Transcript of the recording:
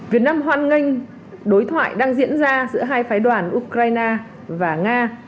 việt nam hoan nghênh đối thoại đang diễn ra giữa hai phái đoàn ukraine và nga